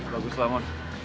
bagus lah mon